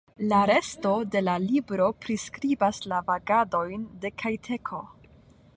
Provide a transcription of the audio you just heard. La resto de la libro priskribas la vagadojn de Kajteko.